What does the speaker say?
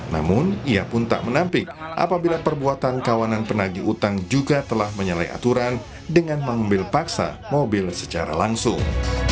namun ia pun tak menampik apabila perbuatan kawanan penagi utang juga telah menyalai aturan dengan mengambil paksa mobil secara langsung